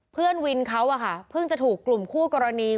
เพื่อนวินเขาอะค่ะเพิ่งจะถูกกลุ่มคู่กรณี